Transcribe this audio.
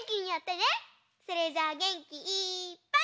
それじゃあげんきいっぱい。